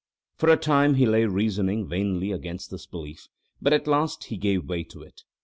For a time he lay reasoning vainly against this belief, but at last he gave way to it.